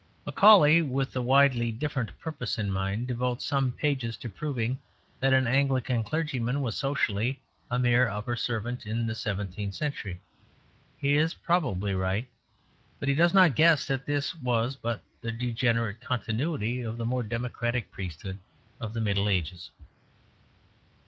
Macaulay, with a widely different purpose in mind, devotes some pages to proving that an Anglican clergyman was socially a mere upper servant in the seventeenth century. He is probably right; but he does not guess that this was but the degenerate continuity of the more democratic priesthood of the Middle Ages.